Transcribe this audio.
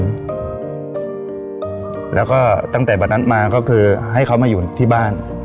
เป็นลูกบุญทำแล้วก็ตั้งแต่วันนั้นมาก็คือให้เขามาอยู่ที่บ้าน